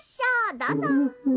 どうぞ。